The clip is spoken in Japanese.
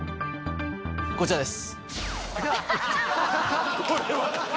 こちらです。